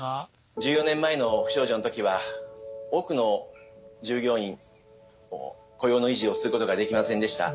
１４年前の不祥事の時は多くの従業員を雇用の維持をすることができませんでした。